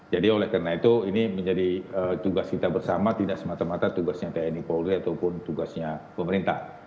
jadi oleh karena itu ini menjadi tugas kita bersama tidak semata mata tugasnya tni polri ataupun tugasnya pemerintah